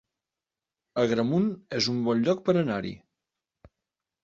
Agramunt es un bon lloc per anar-hi